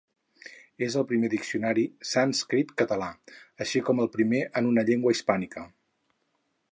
És el primer diccionari sànscrit-català, així com el primer en una llengua hispànica.